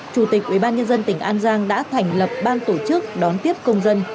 chủ tịch ubnd tỉnh an giang đã thành lập ban tổ chức đón tiếp công dân